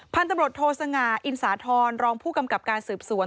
พันธบรตโทสงาอินสาธรรมรองผู้กำกับการสืบสวน